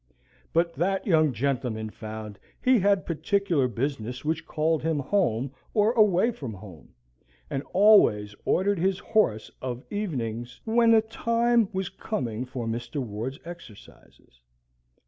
But that young gentleman found he had particular business which called him home or away from home, and always ordered his horse of evenings when the time was coming for Mr. Ward's exercises.